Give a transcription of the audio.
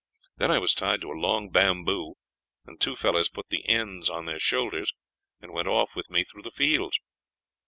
Then I was tied to a long bamboo, and two fellows put the ends on their shoulders and went off with me through the fields.